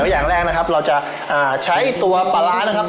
อย่างแรกนะครับเราจะใช้ตัวปลาร้านะครับ